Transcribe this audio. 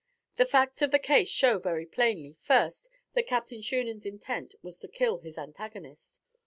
The facts of the case show very plainly, first, that Captain Shunan's intent was to kill his antagonist.